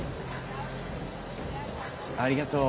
ありがとう。